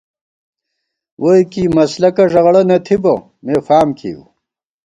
ووئی کی مسلَکہ ݫَغَڑہ نہ تھِبہ، مےفام کېئیؤ